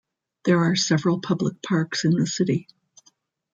There are several public parks in the city.